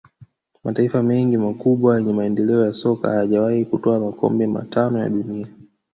Mataifa mengi makubwa yenye maendeleo ya soka hayajawahi kutwaa makombe matano ya dunia